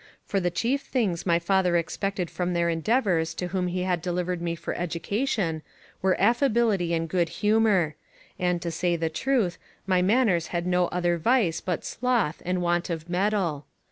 For the chief things my father expected from their endeavours to whom he had delivered me for education, were affability and good humour; and, to say the truth, my manners had no other vice but sloth and want of metal.